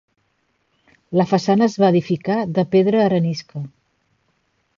La façana es va edificar de pedra arenisca.